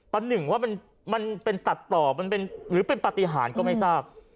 ประหนึ่งว่ามันเป็นตัดต่อหรือเป็นปฏิหารก็ไม่ทราบ